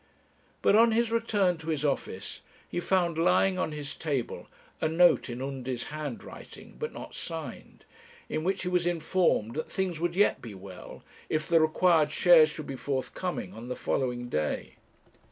But on his return to his office, he found lying on his table a note in Undy's handwriting, but not signed, in which he was informed that things would yet be well, if the required shares should be forthcoming on the following day.